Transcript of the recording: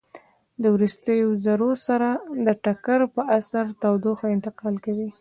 د وروستیو ذرو سره د ټکر په اثر تودوخه انتقال کوي.